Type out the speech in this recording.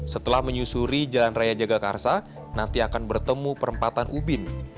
setelah menyusuri jalan raya jagakarsa nanti akan bertemu perempatan ubin